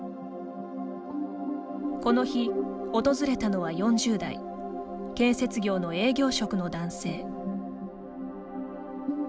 この日、訪れたのは４０代建設業の営業職の男性。